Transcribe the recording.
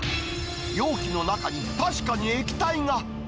容器の中に確かに液体が。